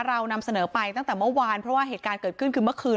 เรานำเสนอไปตั้งแต่เมื่อวานเพราะว่าเหตุการณ์เกิดขึ้นคือเมื่อคืน